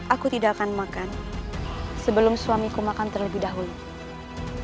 aku tidak akan makan sebelum suamiku makan terlebih dahulu